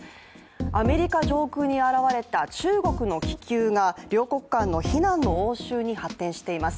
アメリカ上空に現れた中国の気球が両国間の非難の応酬に発展しています。